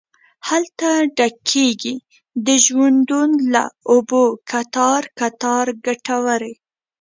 هلته ډکیږې د ژوندون له اوبو کتار، کتار کټوري